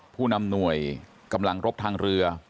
ผู้นำหน่วยกำลังรบทางเรือ